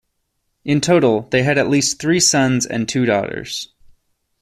In total, they had at least three sons and two daughters.